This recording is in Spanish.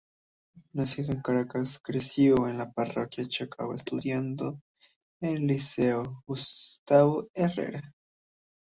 Nacido en Caracas, creció en la Parroquia Chacao, estudiando en el Liceo Gustavo Herrera.